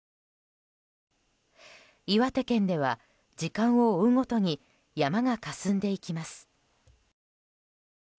岩手県では時間を追うごとに山がかすんでいきます。